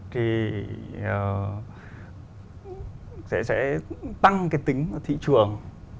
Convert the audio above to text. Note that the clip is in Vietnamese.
thì sẽ tăng cái tính thị trường